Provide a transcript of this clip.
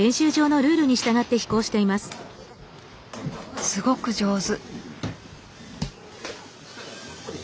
すごく上手。